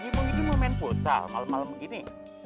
haji mau gini mau main putar malem malem begini